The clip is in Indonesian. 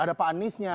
ada pak aniesnya